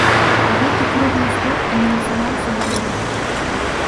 Гэты круглы стол анансаваўся даўно.